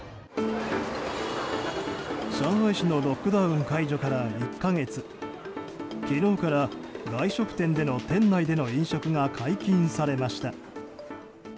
上海市のロックダウン解除から１か月昨日から外食店での店内での飲食が解禁されました。